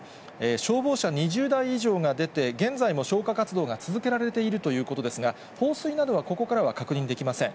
消防車２０台以上が出て、現在も消火活動が続けられているということですが、放水などはここからは確認できません。